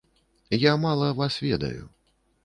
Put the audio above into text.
Я мала вас ведаю.